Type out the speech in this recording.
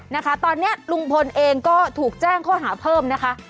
นะคะตอนนี้ลุงพลเองก็ถูกแจ้งข้อหาเพิ่มนะคะ